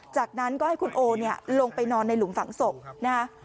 จากนั้นก็ให้คุณโอเนี่ยลงไปนอนในหลุมฝังศพนะฮะ